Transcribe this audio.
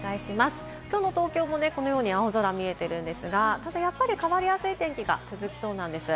きょうの東京もね、このように青空が見えているんですが、ただやっぱり変わりやすい天気が続きそうなんです。